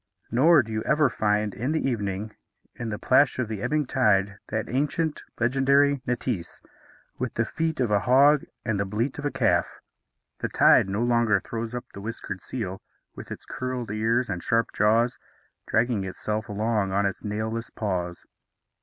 Nor do you ever find in the evening, in the plash of the ebbing tide, that ancient, legendary neitse, with the feet of a hog and the bleat of a calf. The tide no longer throws up the whiskered seal, with its curled ears and sharp jaws, dragging itself along on its nailless paws.